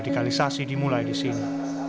denadikalisasi dimulai di sini